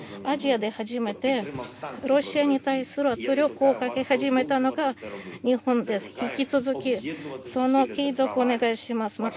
アジアで初めてロシアに対する圧力をかけ始めたのが日本です、引き続きその継続をお願いします。